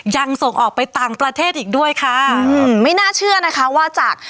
ยังส่งออกไปต่างประเทศอีกด้วยค่ะอืมไม่น่าเชื่อนะคะว่าจาก